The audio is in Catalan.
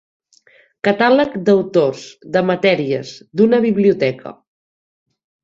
Catàleg d'autors, de matèries, d'una biblioteca.